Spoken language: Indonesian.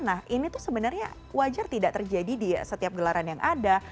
nah ini tuh sebenarnya wajar tidak terjadi di setiap gelaran yang ada